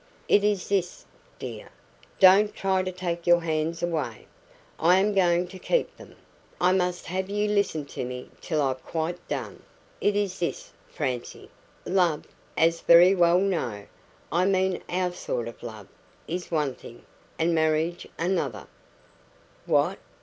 "It is this, dear don't try to take your hands away, I am going to keep them; I must have you listen to me till I've quite done it is this, Francie: Love, as we very well know I mean our sort of love is one thing, and marriage another " "WHAT?